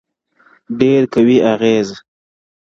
ډېر قوي اغېز،